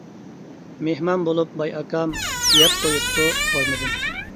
مېھمان بولۇپ باي ئاكام، يەپ قويۇپتۇ خورمىدىن.